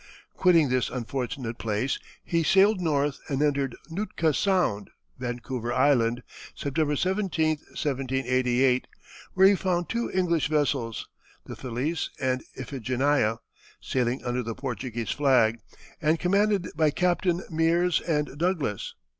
Quitting this unfortunate place he sailed north and entered Nootka Sound, Vancouver Island, September 17, 1788, where he found two English vessels, the Felice and Iphigenia, sailing under the Portuguese flag and commanded by Captains Meares and Douglass.